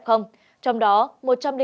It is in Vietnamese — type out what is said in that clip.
trong đó một trăm linh tám trường hợp